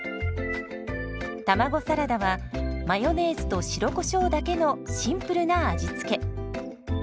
卵サラダはマヨネーズと白コショウだけのシンプルな味付け。